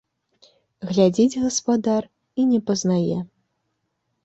Глядзіць гаспадар і не пазнае.